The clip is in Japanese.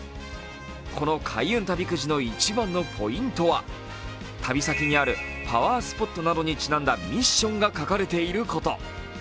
この開運旅くじの一番のポイントは旅先にあるパワースポットなどにちなんだミッションが書かれていること。